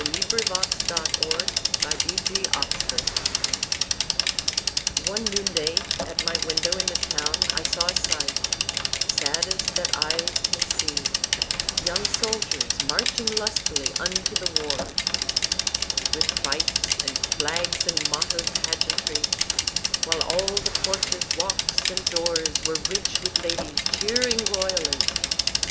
Ball's Bluff. A Reverie. (October, 1861.) One noonday, at my window in the town, I saw a sight saddest that eyes can see Young soldiers marching lustily Unto the wars, With fifes, and flags in mottoed pageantry; While all the porches, walks, and doors Were rich with ladies cheering royally.